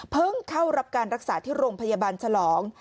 เข้ารับการรักษาที่โรงพยาบาลฉลอง